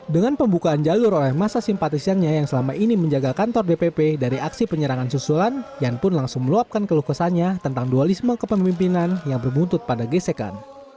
dengan pembukaan jalur oleh masa simpatisannya yang selama ini menjaga kantor dpp dari aksi penyerangan susulan yan pun langsung meluapkan keluh kesannya tentang dualisme kepemimpinan yang berbuntut pada gesekan